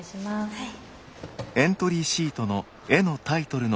はい。